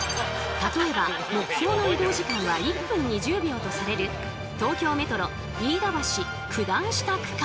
例えば目標の移動時間は１分２０秒とされる東京メトロ飯田橋九段下区間。